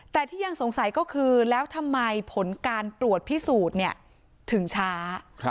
แต่ที่ยังสงสัยก็คือแล้วทำไมผลการตรวจพิสูจน์ถึงช้า